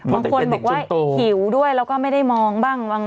บางคนบอกว่าหิวด้วยแล้วก็ไม่ได้มองบ้าง